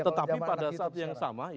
tetapi pada saat yang sama